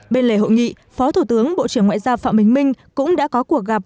bên lề hội nghị phó thủ tướng bộ trưởng ngoại giao phạm bình minh cũng đã có cuộc gặp